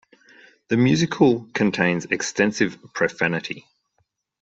The musical contains extensive profanity.